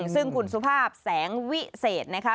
ซึ่งคุณสุภาพแสงวิเศษนะคะ